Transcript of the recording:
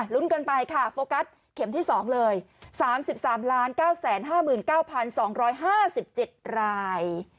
กันไปค่ะโฟกัสเข็มที่๒เลย๓๓๙๕๙๒๕๗ราย